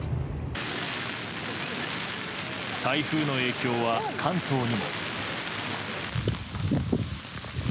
台風の影響は、関東にも。